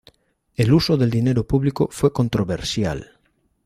El uso del dinero público fue controversial.